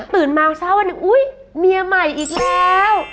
ตื่นมาเช้าวันหนึ่งอุ๊ยเมียใหม่อีกแล้ว